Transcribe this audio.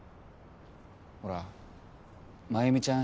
ほら繭美ちゃん